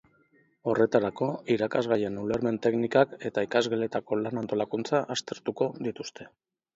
Horretarako, irakasgaien ulermen teknikak eta ikasgeletako lan antolakuntza aztertuko ditzte.